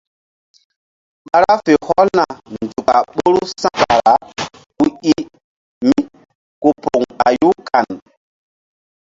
Ɓa ra fe hɔlna nzuk a ɓoru sa̧kara ku i míku poŋ ɓayu kan.